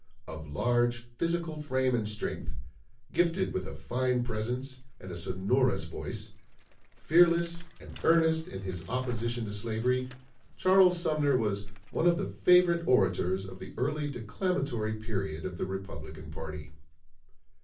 Of large physical frame and strength, gifted with a fine presence and a sonorous voice, fearless and earnest in his opposition to slavery, Charles Sumner was one of the favorite orators of the early declamatory period of the Republican party.